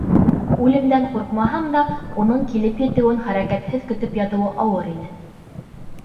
Үлемдән ҡурҡмаһам да, уның килеп етеүен хәрәкәтһеҙ көтөп ятыуы ауыр ине.